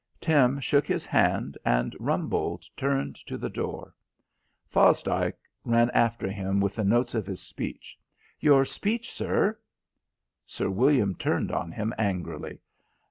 Tim shook his hand, and Rumbold turned to the door. Fosdike ran after him with the notes of his speech. "Your speech, sir." Sir William turned on him angrily.